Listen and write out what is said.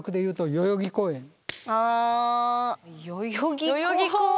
あ代々木公園。